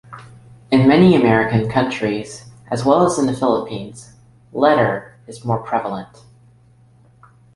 In many American countries as well as in The Philippines, 'Letter' is more prevalent.